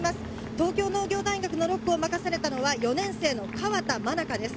東京農業大学の６区を任されたのは４年生の川田愛佳です。